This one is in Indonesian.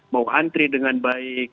mau antri dengan baik